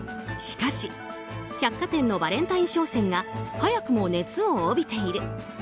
しかし、百貨店のバレンタイン商戦が早くも熱を帯びている。